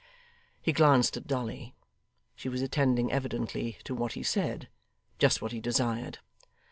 He glanced at Dolly. She was attending evidently to what he said. Just what he desired!